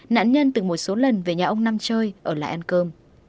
nạn nhân từ một số lần về nhà ông nam chơi ở lại ăn cơm